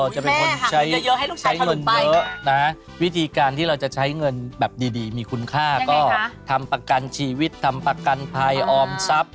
จะเป็นคนใช้เงินเยอะนะวิธีการที่เราจะใช้เงินแบบดีมีคุณค่าก็ทำประกันชีวิตทำประกันภัยออมทรัพย์